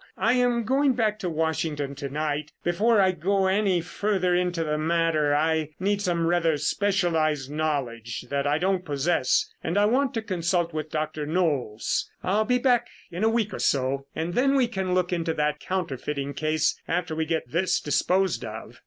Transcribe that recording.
I am going back to Washington to night. Before I go any further into the matter, I need some rather specialized knowledge that I don't possess and I want to consult with Dr. Knolles. I'll be back in a week or so and then we can look into that counterfeiting case after we get this disposed of."